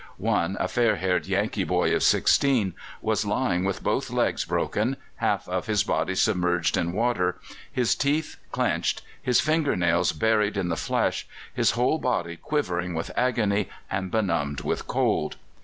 One, a fair haired Yankee boy of sixteen, was lying with both legs broken, half of his body submerged in water, his teeth clenched, his finger nails buried in the flesh, his whole body quivering with agony and benumbed with cold.